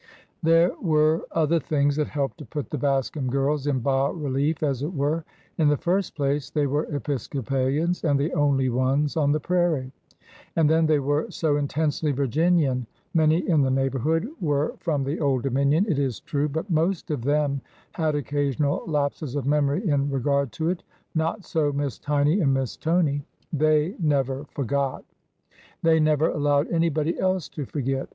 There were other things that helped to put the Bascom girls in has relief, as it were. In the first place, they were Episcopalians, and the only ones on the prairie. And then they were so intensely Virginian. Many in the neighborhood were from the Old Dominion, it is true; but most of them had occasional lapses of memory in regard to it. Not so Miss Tiny and Miss Tony. They never forgot. They never allowed anybody else to forget.